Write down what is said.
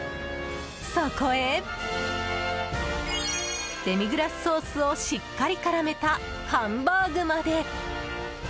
そこへデミグラスソースをしっかり絡めたハンバーグまで！